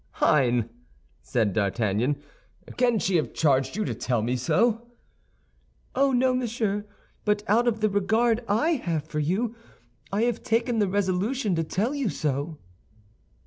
"Hein!" said D'Artagnan, "can she have charged you to tell me so?" "Oh, no, monsieur; but out of the regard I have for you, I have taken the resolution to tell you so."